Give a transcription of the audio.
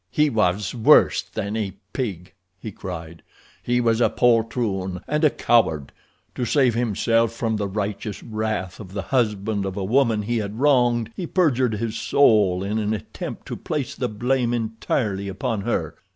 "He was worse than a pig," he cried. "He was a poltroon and a coward. To save himself from the righteous wrath of the husband of a woman he had wronged, he perjured his soul in an attempt to place the blame entirely upon her.